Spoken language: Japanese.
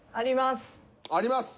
あります。